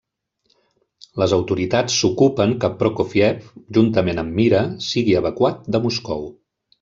Les autoritats s'ocupen que Prokófiev, juntament amb Mira, sigui evacuat de Moscou.